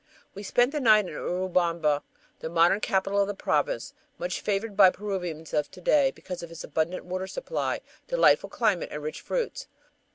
We spent the night in Urubamba, the modern capital of the province, much favored by Peruvians of to day because of its abundant water supply, delightful climate, and rich fruits.